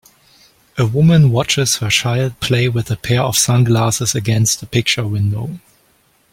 A woman watches her child play with a pair of sunglasses against a picture window.